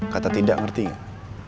kata tidak ngerti gak